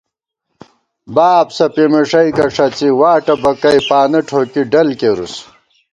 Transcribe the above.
بابسہ پېمېݭَئیکہ ݭَڅی واٹہ بَکَئ پانہ ٹھوکی ڈل کېرُوس